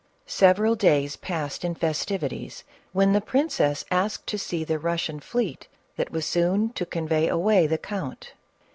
Several days passed in festivities, when the princess asked to see the Russian fleet that was soon to convey away the count.